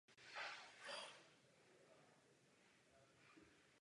Děkuji vám, přesně toto jsem chtěl zdůraznit.